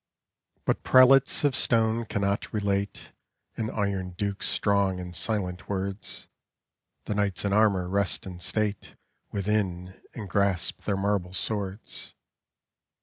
But prelates of stone cannot relate An Iron Duke's strong and silent words. The knights in armour rest in state Within, and grasp their marble swords.